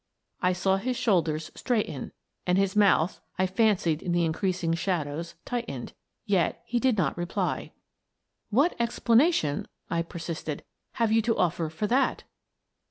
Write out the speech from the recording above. I saw his shoulders straighten and his mouth — I fancied in the in creasing shadows — tightened, yet he did not reply. " What explanation," I persisted, " have you to offer for that?"